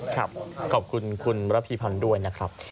ขอบคุณคุณระพีพันธ์ด้วยนะครับ